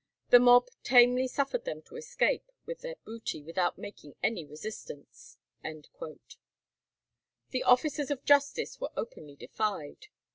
The mob tamely suffered them to escape with their booty without making any resistance." The officers of justice were openly defied.